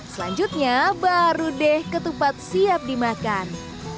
selanjutnya baru deh ketupat siap dimakan